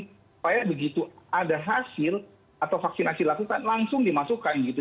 supaya begitu ada hasil atau vaksinasi lakukan langsung dimasukkan gitu